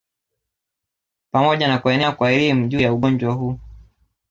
Pamoja na kuenea kwa elimu juu ya ugonjwa huu